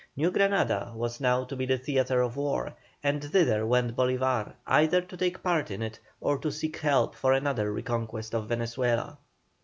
New Granada was now to be the theatre of war, and thither went Bolívar, either to take part in it or to seek help for another reconquest of Venezuela.